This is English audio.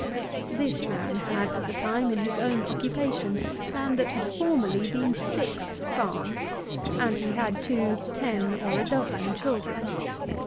This man had, at the time, in his own occupation, land that had formerly been six farms, and he had, too, ten or a dozen children.